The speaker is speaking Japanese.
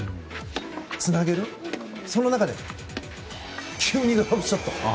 つなげる、その中で急にドロップショット。